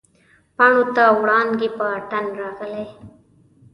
پاڼو ته وړانګې په اتڼ راغلي